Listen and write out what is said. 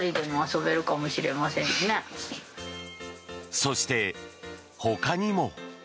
そして、ほかにも。